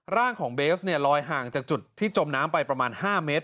ร่างของเบสเนี่ยลอยห่างจากจุดที่จมน้ำไปประมาณ๕เมตร